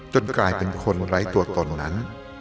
กลายเป็นคนไร้ตัวตนนั้น